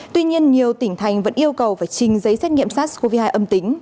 tuy nhiên nhiều tỉnh thành vẫn yêu cầu phải trình giấy xét nghiệm sars cov hai âm tính